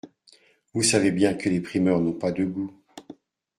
Vous savez bien que les primeurs n’ont pas de goût…